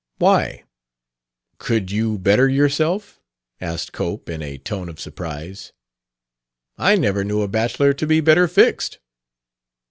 "Why, could you better yourself?" asked Cope, in a tone of surprise. "I never knew a bachelor to be better fixed."